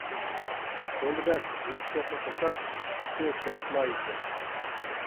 بولدى بەس، نەق گەپنى قىلساق، ئىپپىتى-دەسمايىسى.